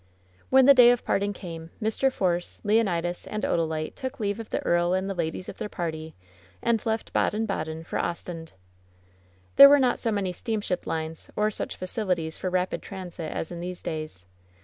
When the day of parting came, Mr. Force, Leonidas and Odalite took leave of the earl and the ladies of their party and left Baden Baden for Ostend. There were not so many steamship lines or such facili ties for rapid transit as in these days.